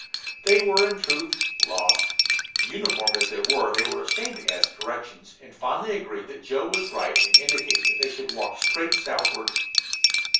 They were, in truth, lost. Uniformed as they were, they were ashamed to ask directions, and finally agreed that Joe was right in indicating that they should walk straight southward.